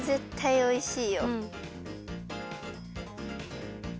おいしい。